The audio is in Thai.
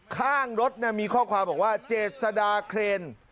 ข้างรถมีข้อความบอกว่าเจษดาเครน